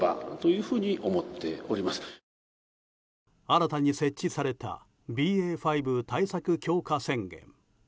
新たに設置されたＢＡ．５対策強化宣言。